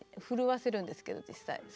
震わせるんですけど実際。